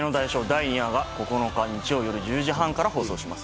第２話が９日日曜夜１０時半から放送します。